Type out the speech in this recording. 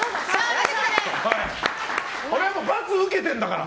俺は罰を受けてるんだから。